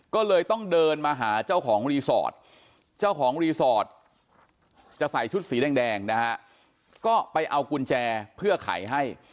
ก็เลยต้องเดินมาหาเจ้าของรีสอร์ทเจ้าของรีสอร์ทจะใส่ชุดสีแดงนะฮะก็ไปเอากุญแจเพื่อไขให้